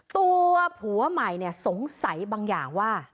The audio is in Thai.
ตัวผัวใหม่สงสัยบางอย่างว่า